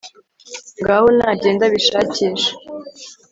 ngaho nagende abishakishe